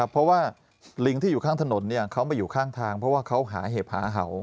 เพราะว่าลิงที่อยู่ข้างถนนเขามาอยู่ข้างทางเพราะว่าเขาหาเห็บหาเห่า